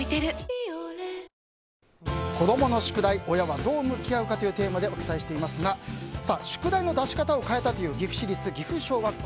「ビオレ」子供の宿題、親はどう向き合うかというテーマでお伝えしていますが宿題の出し方を変えたという岐阜市立岐阜小学校。